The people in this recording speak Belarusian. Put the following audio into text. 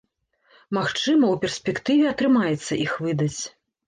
Магчыма, у перспектыве атрымаецца іх выдаць.